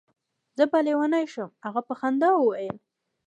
زه به لېونی شم. هغه په خندا وویل.